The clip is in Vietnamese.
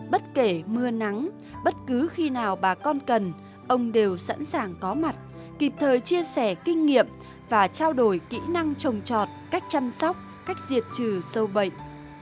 bất kể mưa nắng bất cứ khi nào bà con cần ông đều sẵn sàng có mặt kịp thời chia sẻ kinh nghiệm và trao đổi kỹ năng trồng trọt cách chăm sóc cách diệt trừ sâu bệnh